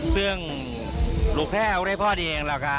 ซึ่งลูกแพ้เอาได้พอดีเองแล้วค่ะ